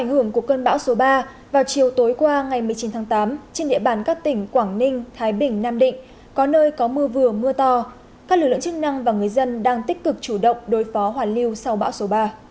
hôm qua ngày một mươi chín tháng tám trên địa bàn các tỉnh quảng ninh thái bình nam định có nơi có mưa vừa mưa to các lực lượng chức năng và người dân đang tích cực chủ động đối phó hoàn lưu sau bão số ba